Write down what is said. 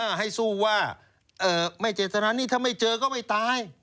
ถ้าให้สู้ว่าไม่เจตนานี่ถ้าไม่เจอก็ไม่ตาย